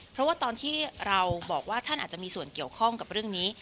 เพราะว่าตอนที่เราบอกว่าท่านอาจจะมีส่วนเกี่ยวข้องกับเรื่องนี้